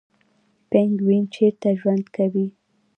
پینګوین چیرته ژوند کوي؟